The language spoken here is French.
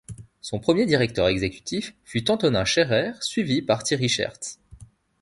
Son premier directeur exécutif fut Antonin Scherrer suivi par Thierry Scherz.